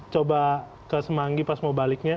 coba ke semanggi pas mau baliknya